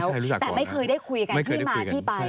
แต่ไม่เคยได้คุยกันที่มาที่ไป